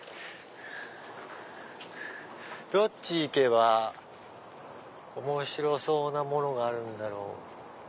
どっち行けば面白そうなものがあるんだろう？